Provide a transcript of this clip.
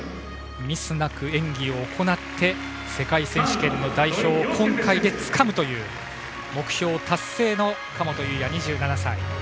ミスなく演技を行って世界選手権の代表を今回でつかむという目標を達成の神本雄也、２７歳。